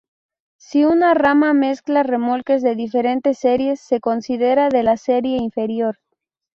Si una rama mezcla remolques de diferentes series, se considera de la serie inferior.